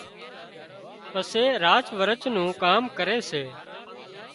پسي راچ ورچ نُون ڪام ڪري سي